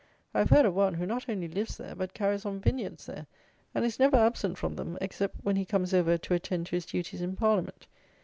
I have heard of one, who not only lives there, but carries on vineyards there, and is never absent from them, except when he comes over "to attend to his duties in Parliament."